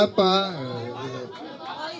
tenang akan ada